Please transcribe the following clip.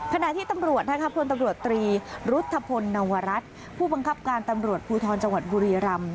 ขณะที่ตำรวจนะครับพลตำรวจตรีรุธพลนวรัฐผู้บังคับการตำรวจภูทรจังหวัดบุรีรำ